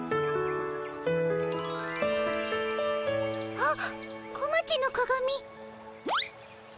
あっ小町のかがみ。